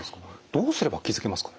どうすれば気付けますか？